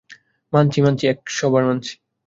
মানছি, মানছি এক-শবার মানছি।